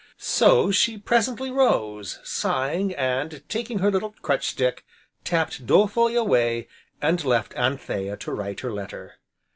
So, she presently rose, sighing, and taking her little crutch stick, tapped dolefully away, and left Anthea to write her letter.